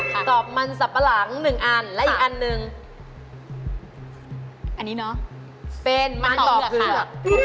เป็นมันต่อเผือก